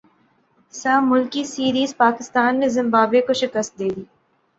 سہ ملکی سیریزپاکستان نے زمبابوے کو شکست دیدی